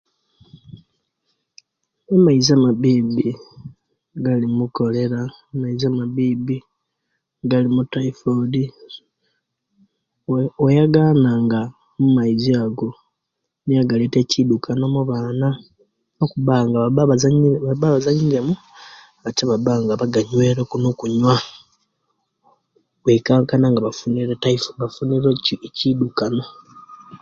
Amaizi amabibi galimu kolera, amaizi amabibi galimu tifodi oyagana nga omaizi ago nigo galeta ekidukano omubana okubanga baba bazanyiremu ate baba nga baganyuire nokuganyuwa kwekankana nga bafunire tifodi bafunire ekidukano